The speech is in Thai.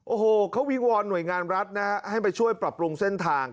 โอ้โหเขาวิงวอนหน่วยงานรัฐนะฮะให้ไปช่วยปรับปรุงเส้นทาง